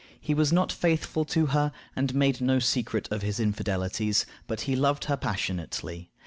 He was not faithful to her, and made no secret of his infidelities, but he loved her passionately.